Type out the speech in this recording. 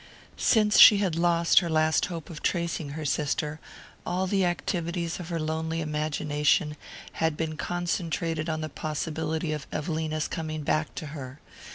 Since she had lost her last hope of tracing her sister, all the activities of her lonely imagination had been concentrated on the possibility of Evelina's coming back to her.